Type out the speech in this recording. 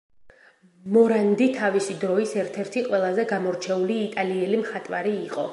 მორანდი თავისი დროის ერთ-ერთი ყველაზე გამორჩეული იტალიელი მხატვარი იყო.